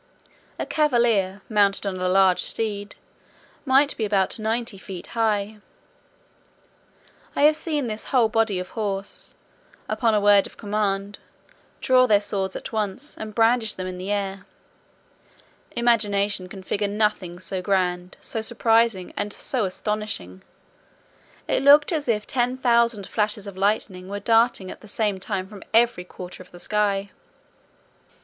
A cavalier, mounted on a large steed, might be about ninety feet high. I have seen this whole body of horse, upon a word of command, draw their swords at once, and brandish them in the air. Imagination can figure nothing so grand, so surprising, and so astonishing! It looked as if ten thousand flashes of lightning were darting at the same time from every quarter of the sky.